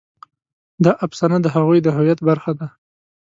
دا افسانه د هغوی د هویت برخه ده.